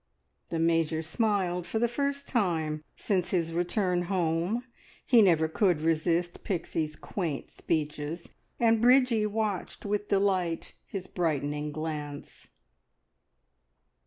The Major smiled for the first time since his return home. He never could resist Pixie's quaint speeches, and Bridgie watched with delight his brightening glance.